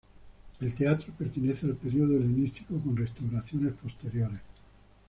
El teatro pertenece al periodo helenístico con restauraciones posteriores.